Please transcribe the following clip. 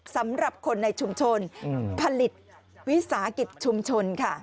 สำหรับคนในชุมชนผลิตวิสาหกิจชุมชนค่ะ